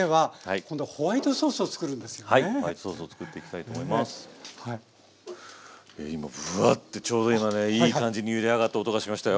今ブワッてちょうど今ねいい感じにゆであがった音がしましたよ！